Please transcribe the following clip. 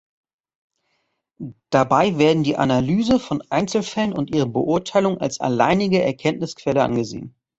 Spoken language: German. Dabei werden die Analyse von Einzelfällen und ihre Beurteilung als alleinige Erkenntnisquelle angesehen.